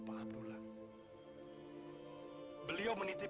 tak ada masalah diri sendiri seperti